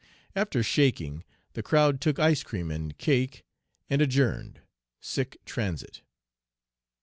"After shaking, the crowd took ice cream and cake and adjourned. Sic transit!"